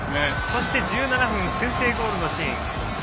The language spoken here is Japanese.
そして、１７分先制ゴールのシーン。